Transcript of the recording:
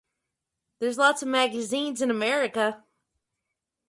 He is the first African American to photograph the cover of "Vanity Fair".